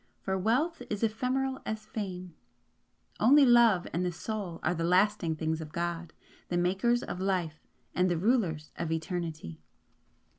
For wealth is ephemeral as fame only Love and the Soul are the lasting things of God, the Makers of Life and the Rulers of Eternity."